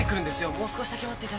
もう少しだけ待っていただけますか？